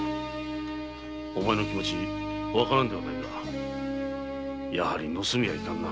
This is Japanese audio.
お前の気持分からぬではないがやはり盗みはいかんな。